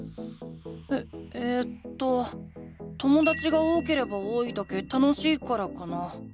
ええとともだちが多ければ多いだけ楽しいからかな。